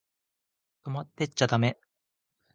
泊まってっちゃだめ？